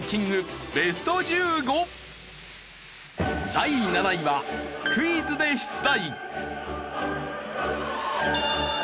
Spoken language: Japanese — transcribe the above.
第７位はクイズで出題。